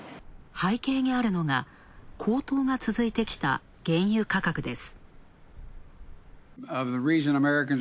背景にあるのが、高騰が続いてきた原油価格です。